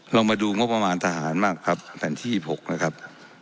ลองมาดูงบมานทหารมากครับแผ่นที่๒๖นะครับ